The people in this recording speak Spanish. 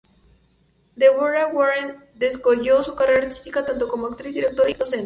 Deborah Warren descolló su carrera artística tanto como actriz, directora y docente.